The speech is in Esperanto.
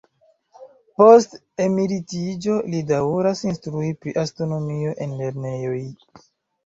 Post emeritiĝo, li daŭras instrui pri astronomio en lernejoj.